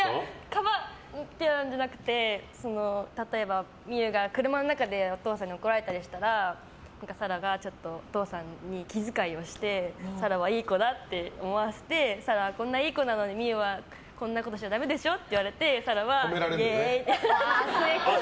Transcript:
かばうんじゃなくて例えば、望結が車の中でお父さんに怒られたりしたら紗来がちょっとお父さんに気遣いをして紗来はいい子だって思わせて紗来はこんないい子なのに望結はこんなことしちゃダメでしょって言われて紗来はイエーイって。